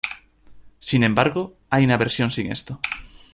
Sin embargo, hay una versión sin esto.